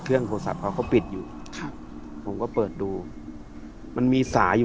เครื่องโทรศัพท์เขาก็ปิดอยู่ครับผมก็เปิดดูมันมีสายอยู่